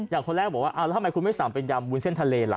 คนแรกบอกว่าแล้วทำไมคุณไม่สั่งเป็นยำวุ้นเส้นทะเลล่ะ